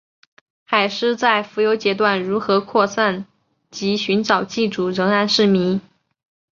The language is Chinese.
海虱在浮游阶段如何扩散及寻找寄主仍然是迷。